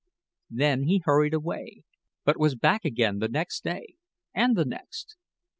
Then he had hurried away, but was back again the next day, and the next.